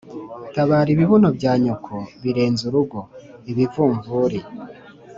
Tabara ibibuno bya nyoko birenze urugo-Ibivumvuri.